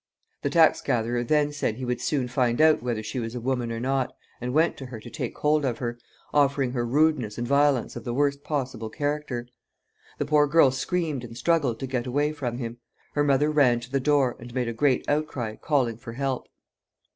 The tax gatherer then said he would soon find out whether she was a woman or not, and went to her to take hold of her, offering her rudeness and violence of the worst possible character. The poor girl screamed and struggled to get away from him. Her mother ran to the door, and made a great outcry, calling for help.